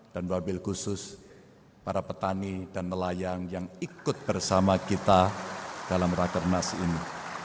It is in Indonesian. dan wabil khusus para petani dan nelayang yang ikut bersama kita dalam rakernas ini